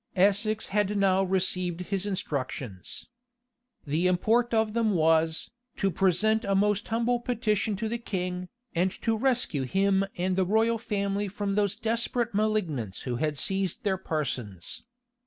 Essex had now received his instructions. The import of them was, to present a most humble petition to the king, and to rescue him and the royal family from those desperate malignants who had seized their persons.